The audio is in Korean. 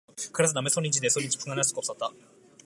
그래서 남의 손인지 내 손인지 분간할 수가 없었다.